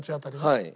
はい。